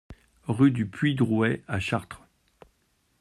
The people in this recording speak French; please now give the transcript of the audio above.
Rue du Puits Drouet à Chartres